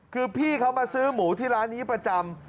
คือพี่เขามาซื้อหมูที่ร้านนี้ประจำ